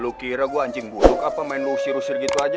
lu kira gua anjing butuh apa main lu usir usir gitu aja